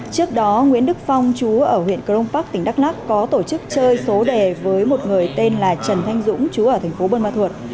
trước đó nguyễn đức phong chú ở huyện crong park tỉnh đắk lắc có tổ chức chơi số đề với một người tên là trần thanh dũng chú ở thành phố buôn ma thuột